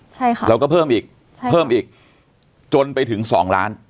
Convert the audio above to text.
ใช่ค่ะเราก็เพิ่มอีกใช่เพิ่มอีกจนไปถึงสองล้าน